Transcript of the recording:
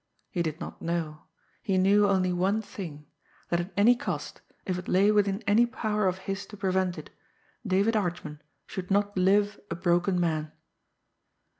He did not know; he knew only one thing that, at any cost, if it lay within any power of his to prevent it, David Archman should not live a broken man.